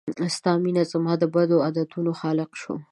ستا مينه زما د بدو عادتونو خالق شوه